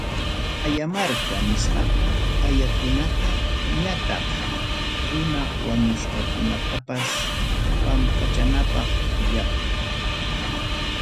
Ayamarka nisqaqa, ayakunata ñataq runa wañusqakunatapas pampachanapaq llaqtam.